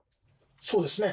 そうですね。